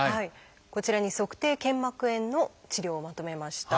こちらに足底腱膜炎の治療をまとめました。